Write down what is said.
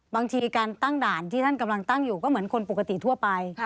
บางทีการตั้งด่านที่ท่านกำลังตั้งอยู่ก็เหมือนคนปกติทั่วไป